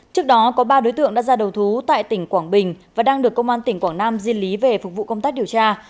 trước đó có ba đối tượng đã ra đầu thú tại tỉnh quảng bình và đang được công an tỉnh quảng nam di lý về phục vụ công tác điều tra